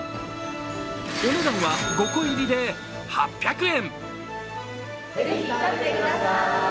お値段は５個入りで８００円。